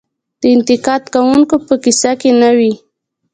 د انتقاد کوونکو په قصه کې نه وي .